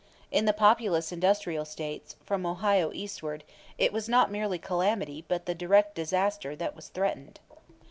In the populous industrial States, from Ohio eastward, it was not merely calamity, but the direct disaster, that was threatened.